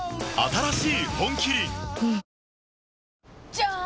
じゃーん！